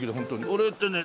俺ってね